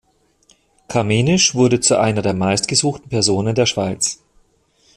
Camenisch wurde zu einer der meistgesuchten Personen der Schweiz.